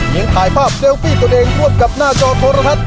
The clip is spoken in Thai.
ยังถ่ายภาพเซลฟี่ตัวเองร่วมกับหน้าจอโทรทัศน